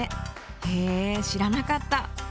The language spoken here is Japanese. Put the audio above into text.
へえ知らなかった！